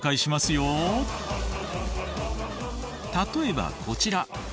例えばこちら。